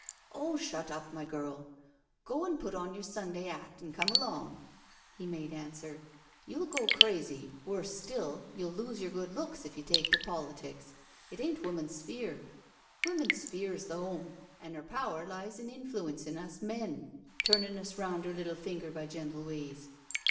" Oh, shut up, my girl. Go an' put on your Sunday 'at an' come along," he made answer. " You'll go crazy, worse still, you'll lose your good looks if you take to politics — it ain't woman's sphere. Woman's sphere is the 'ome, and 'er power lies in influencin' us men, turnin' us round 'er little finger by gentle ways.